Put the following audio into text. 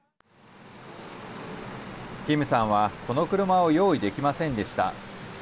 キムさんはこの車を用意できませんでした。